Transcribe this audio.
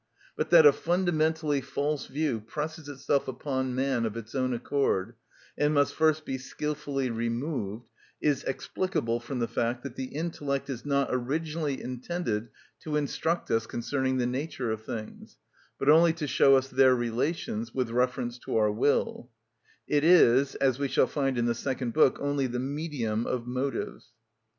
But that a fundamentally false view presses itself upon man of its own accord, and must first be skilfully removed, is explicable from the fact that the intellect is not originally intended to instruct us concerning the nature of things, but only to show us their relations, with reference to our will; it is, as we shall find in the second book, only the medium of motives.